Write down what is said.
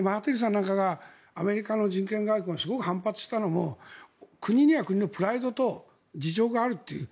アメリカの人権外交にすごく反発したのも国には国のプライドと事情があるという。